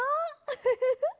ウフフフ。